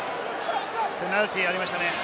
ペナルティーがありましたね。